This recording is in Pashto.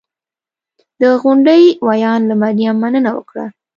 د غونډې ویاند له مریم مننه وکړه